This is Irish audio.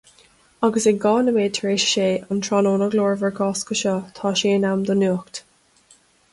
Agus ag dhá nóiméad tar éis a sé, an tráthnóna glórmhar Cásca seo, tá sé in am don nuacht.